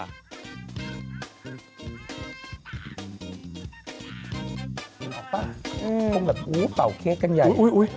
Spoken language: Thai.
โต๊งกับกู้เป่าเค้กเงินใหญ่